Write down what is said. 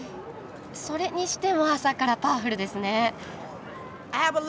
それにしても朝からパワフルですね。